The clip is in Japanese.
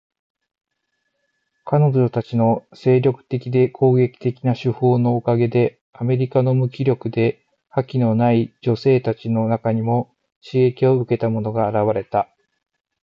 彼女たちの精力的で攻撃的な手法のおかげで、アメリカの無気力で覇気のない女性たちの中にも刺激を受けた者が現れた。